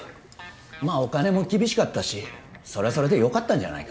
まあお金も厳しかったしそれはそれでよかったんじゃないか？